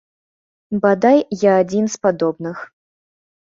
Бадай, я адзін з падобных.